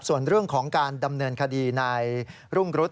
ส่วนเรื่องของการดำเนินคดีในรุ่งรุษ